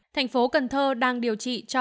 tp cn đang điều trị cho